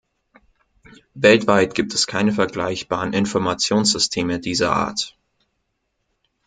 Weltweit gibt es keine vergleichbaren Informationssysteme dieser Art.